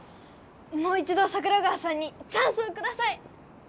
もう一ど桜川さんにチャンスをください！